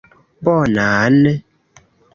Bonan?